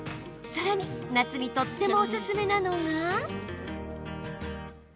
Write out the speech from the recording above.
さらに夏にとってもおすすめなのが。